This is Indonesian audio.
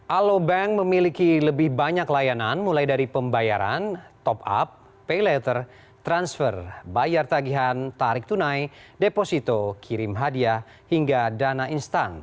alobank memiliki lebih banyak layanan mulai dari pembayaran top up pay letter transfer bayar tagihan tarik tunai deposito kirim hadiah hingga dana instan